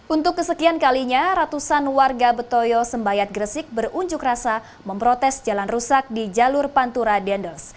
untuk kesekian kalinya ratusan warga betoyo sembayat gresik berunjuk rasa memprotes jalan rusak di jalur pantura dendels